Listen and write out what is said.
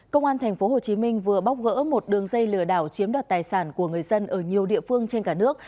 công an tp hcm vừa bóc gỡ một đường dây lừa đảo chiếm đoạt tài sản của người dân ở nhiều địa phương trên cả nước